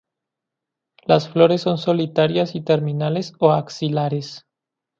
Las flores son solitarias y terminales o axilares.